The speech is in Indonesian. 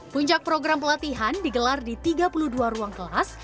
puncak program pelatihan digelar di tiga puluh dua ruang kelas